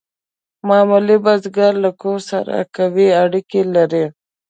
معمولي بزګر له کور سره قوي اړیکې لرلې.